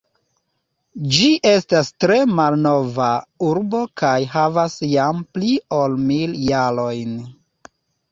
Ĝi estas tre malnova urbo kaj havas jam pli ol mil jarojn.